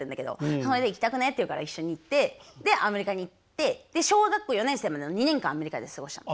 それで「行きたくねえ？」って言うから一緒に行ってでアメリカに行って小学校４年生までの２年間アメリカで過ごしたの。